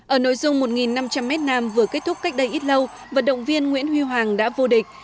ở nội dung một năm trăm linh m nam vừa kết thúc cách đây ít lâu vận động viên nguyễn huy hoàng đã vô địch